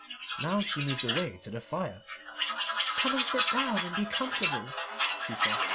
Now she moved away to the fire. "Come and sit down and be comfortable," she said.